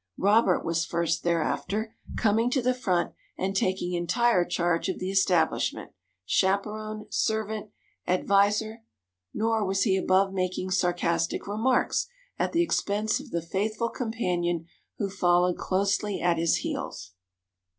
Robert was first thereafter, coming to the front and taking entire charge of the establishment, chaperon, servant, adviser, nor was he above making sarcastic remarks at the expense of the faithful companion who followed closely at his heels.